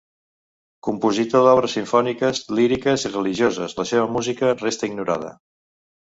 Compositor d'obres simfòniques, líriques i religioses, la seva música resta ignorada.